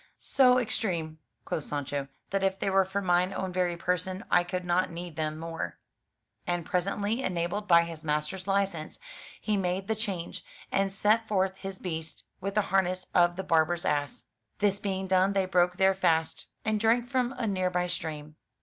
"So extreme," quoth Sancho, "that if they were for mine own very person, I could not need them more." And presently, enabled by his master's license, he made the change, and set forth his beast with the harness of the barber's ass. This being done, they broke their fast, and drank from a near by stream.